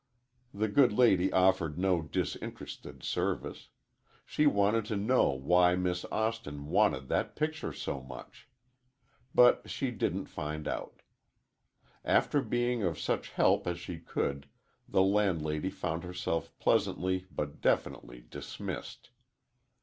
The good lady offered no disinterested service. She wanted to know why Miss Austin wanted that picture so much. But she didn't find out. After being of such help as she could, the landlady found herself pleasantly but definitely dismissed.